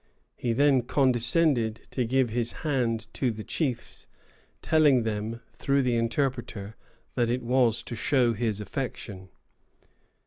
He then condescended to give his hand to the chiefs, telling them, through the interpreter, that it was to show his affection.